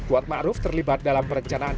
kuatma aruf terlibat dalam perencanaan